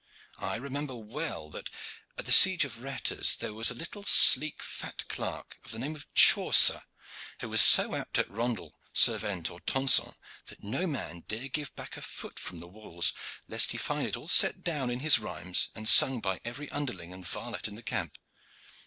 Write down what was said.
I remember well that, at the siege of Retters, there was a little, sleek, fat clerk of the name of Chaucer, who was so apt at rondel, sirvente, or tonson, that no man dare give back a foot from the walls, lest he find it all set down in his rhymes and sung by every underling and varlet in the camp.